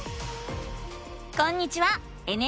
こんにちは！